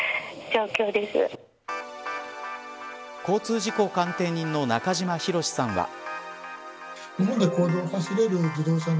交通事故鑑定人の中島博史さんは。